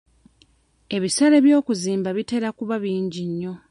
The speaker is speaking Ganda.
Ebisale by'okuzimba bitera kuba bingi nnyo.